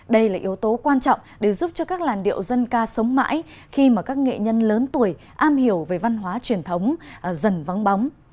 đây là yếu tố quan trọng để giúp cho các làn điệu dân ca sống mãi khi mà các nghệ nhân lớn tuổi am hiểu về văn hóa truyền thống dần vắng bóng